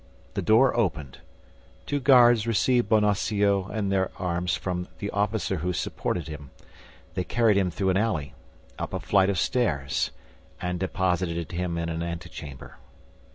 The door opened; two guards received Bonacieux in their arms from the officer who supported him. They carried him through an alley, up a flight of stairs, and deposited him in an antechamber.